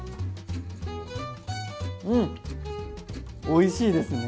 うんおいしいですね！